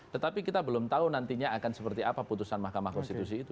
tetapi kita belum tahu nantinya akan seperti apa putusan mahkamah konstitusi itu